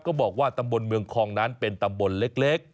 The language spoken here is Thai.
ก็บอกว่าตำบลเมืองคองนั้นเป็นตำบลเล็ก